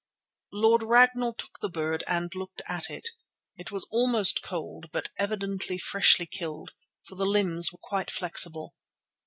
Lord Ragnall took the bird and looked at it. It was almost cold, but evidently freshly killed, for the limbs were quite flexible.